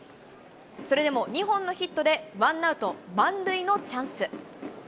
それでも２本のヒットで、ワンアウト満塁のチャンス。